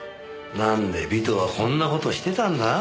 なんで尾藤はこんな事してたんだ？